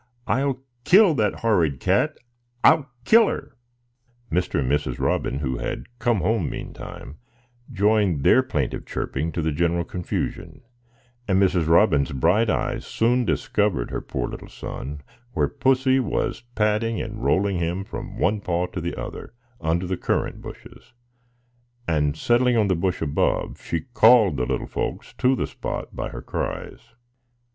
"I'll kill that horrid cat,—I'll kill her!" [Picture: Tip Top in bad Company] Mr. and Mrs. Robin, who had come home meantime, joined their plaintive chirping to the general confusion; and Mrs. Robin's bright eyes soon discovered her poor little son, where Pussy was patting and rolling him from one paw to the other under the currant bushes; and settling on the bush above, she called the little folks to the spot by her cries.